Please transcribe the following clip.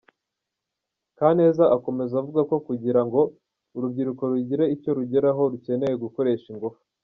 Kaneza akomeza avuga ko kugira ngo urubyiruko rugire icyo rugeraho, rukeneye gukoresha ingufu.